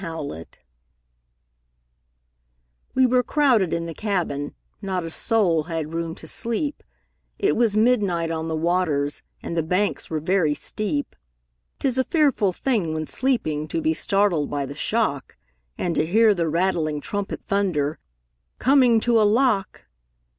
Field] WE were crowded in the cabin, Not a soul had room to sleep; It was midnight on the waters, And the banks were very steep. 'Tis a fearful thing when sleeping To be startled by the shock, And to hear the rattling trumpet Thunder, "Coming to a lock!"